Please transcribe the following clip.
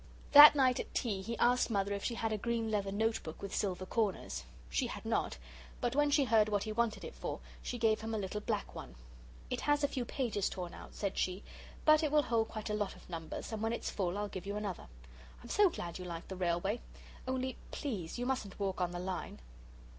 That night at tea he asked Mother if she had a green leather note book with silver corners. She had not; but when she heard what he wanted it for she gave him a little black one. "It has a few pages torn out," said she; "but it will hold quite a lot of numbers, and when it's full I'll give you another. I'm so glad you like the railway. Only, please, you mustn't walk on the line."